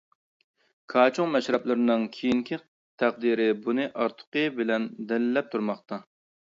كاچۇڭ مەشرەپلىرىنىڭ كېيىنكى تەقدىرى بۇنى ئارتۇقى بىلەن دەلىللەپ تۇرماقتا.